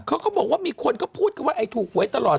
เขาก็บอกว่ามีคนก็พูดกันว่าไอ้ถูกหวยตลอด